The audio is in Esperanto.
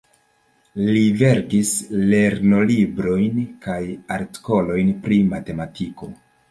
Li verkis lernolibrojn kaj artikolojn pri matematiko.